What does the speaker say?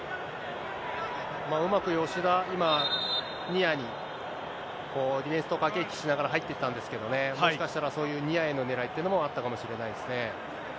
うまく吉田、今、ニアに、ディフェンスと駆け引きしながら、入っていったんですけどね、もしかしたら、そういうニアへのねらいというのも、あったかもしれないですね。